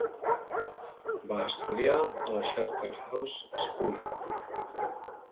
Va estudiar a la Charterhouse School.